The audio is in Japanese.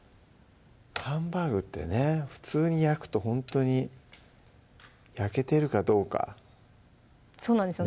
ハンバーグってね普通に焼くとほんとに焼けてるかどうかそうなんですよ